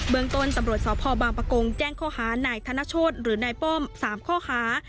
เมืองต้นตำรวจสพบางประกงแจ้งข้อหานายธนโชธหรือนายป้อม๓ข้อหา